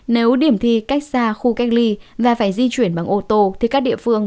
nếu điểm thi cách xa khu cách ly và phải di chuyển bằng ô tô thì các địa phương